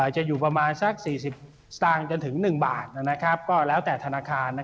จะอยู่ประมาณสัก๔๐สตางค์จนถึง๑บาทก็แล้วแต่ธนาคาร